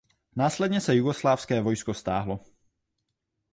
Následně se jugoslávské vojsko stáhlo.